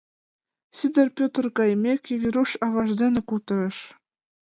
Сидыр Петр кайымеке, Веруш аваж дене кутырыш.